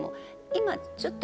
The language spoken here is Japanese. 今ちょっと。